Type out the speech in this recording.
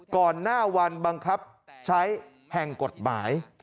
ก่อนหน้าวันบังคับใช้แห่งกฎหมาย